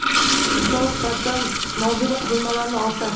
Misol sifatida mobil qurilmalarni olsak